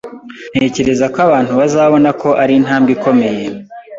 Ntekereza ko abantu bazabona ko ari intambwe ikomeye